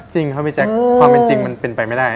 จริงครับพี่แจ๊คความเป็นจริงมันเป็นไปไม่ได้